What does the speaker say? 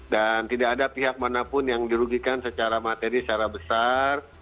dan tidak ada pihak manapun yang dirugikan secara materi secara besar